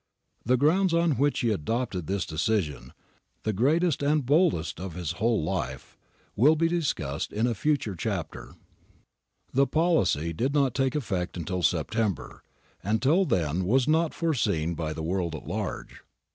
^ The grounds on which he adopted this de cision, the greatest and boldest of his whole life, will be discussed in a future chapter. The policy did not take effect until September, and till then was not foreseen by the world at large.